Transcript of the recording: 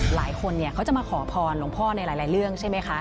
หลายคนเนี่ยเขาจะมาขอพรหลวงพ่อในหลายเรื่องใช่ไหมคะ